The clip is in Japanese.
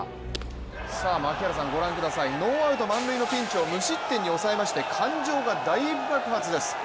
さあ槙原さんご覧ください、ノーアウト満塁のピンチを無失点に抑えまして感情が大爆発です。